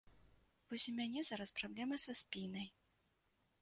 Вось у мяне зараз праблема са спінай.